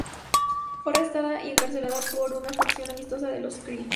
Fue arrestada y encarcelada por una facción amistosa de los Kree.